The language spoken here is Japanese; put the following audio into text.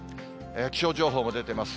気象情報も出てます。